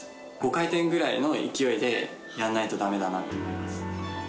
５回転ぐらいの勢いでやんないとだめだなと思います。